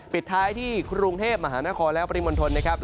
ปิดท้ายที่กรุงเทพมหานครและปริมณฑลนะครับ